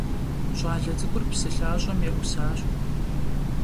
Ş'ale ts'ık'ur psı lhaş'em yê'usaş.